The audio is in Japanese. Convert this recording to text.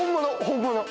本物。